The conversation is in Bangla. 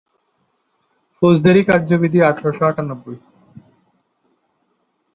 দলে তিনি মূলতঃ ডানহাতি উদ্বোধনী ব্যাটসম্যান হিসেবে খেলে থাকেন।